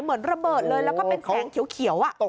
เหมือนระเบิดเลยแล้วก็เป็นแสงเขียว